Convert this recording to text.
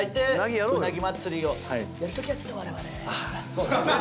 そうですね。